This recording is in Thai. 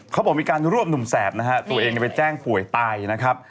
เขาบอกมีการรวบหนุ่มแสบนะฮะตัวเองไปแจ้งป่วยตายนะครับ